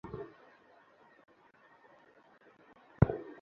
তাই কতটি কারখানা ভাতা দিয়েছে, সেটি নির্দিষ্ট করে বলা যাবে না।